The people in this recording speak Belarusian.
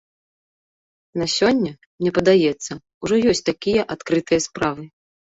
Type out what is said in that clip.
На сёння, мне падаецца, ужо ёсць такія адкрытыя справы.